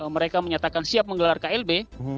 mereka menyatakan siap menggelar klb